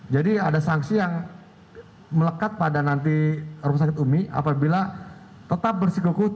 jadi ada sanksi yang melekat pada nanti rumah sakit umi apabila tetap bersikuku